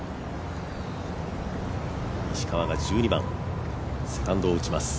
石川が１２番、セカンドを打ちます。